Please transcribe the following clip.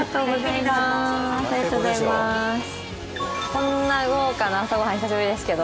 こんな豪華な朝ご飯久しぶりですけど。